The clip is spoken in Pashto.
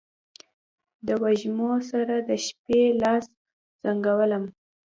د وږمو سره، د شپې لاس زنګولم